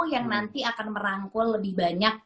yang nanti akan merangkul lebih banyak